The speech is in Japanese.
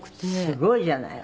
「すごいじゃない！」